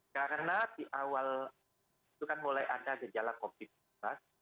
karena di awal itu kan mulai ada gejala covid sembilan belas